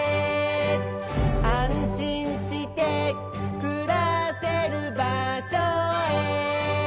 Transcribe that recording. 「あんしんしてくらせるばしょへ」